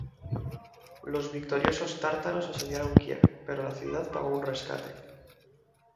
Los victoriosos tártaros asediaron Kiev, pero la ciudad pagó un rescate.